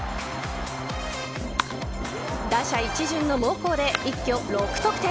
打者一巡の猛攻で一挙６得点。